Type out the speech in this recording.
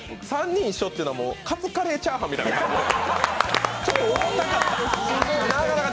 ３人一緒というのはカツカレーチャーハンみたいで。